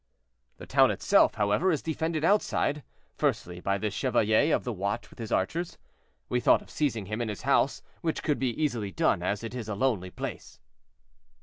"The town itself, however, is defended outside, firstly, by the chevalier of the watch with his archers. We thought of seizing him in his house, which could be easily done, as it is a lonely place."